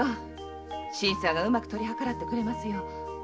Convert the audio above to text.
新さんがうまく取り計らってくれますよ。